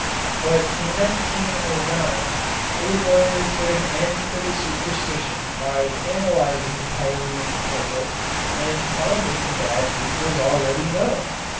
But in 1909 Friedlander put an end to the superstition by analyzing Tyrian purple and finding that it was already known.